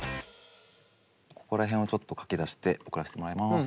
ここら辺をちょっと書き出して送らせてもらいます。